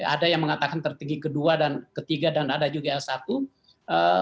ada yang mengatakan tertinggi ke dua ke tiga dan juga ada yang ke satu